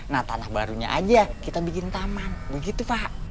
nah tanah barunya aja kita bikin taman begitu pak